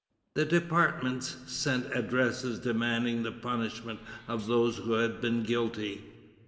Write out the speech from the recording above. The departments sent addresses demanding the punishment of those who had been guilty.